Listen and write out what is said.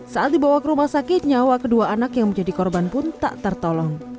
saat dibawa ke rumah sakit nyawa kedua anak yang menjadi korban pun tak tertolong